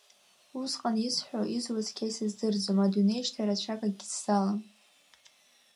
Усҟан исҳәо, изуа цқьа исыздырӡом, адунеи шьҭа рацәак акгьы ззалам.